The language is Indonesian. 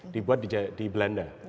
dibuat di belanda